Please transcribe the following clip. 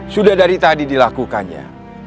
sudah dari tadi dilakukannya